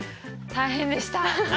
大変でした。